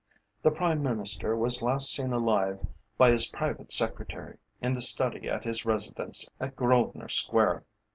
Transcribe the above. The Prime Minister was last seen alive by his private secretary, in the study at his residence at Grosvenor Square.